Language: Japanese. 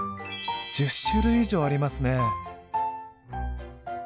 １０種類以上ありますね。